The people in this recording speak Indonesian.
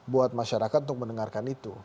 buat masyarakat untuk mendengarkan itu